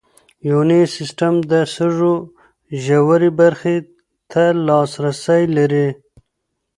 یوني سیسټم د سږو ژورې برخې ته لاسرسی لري.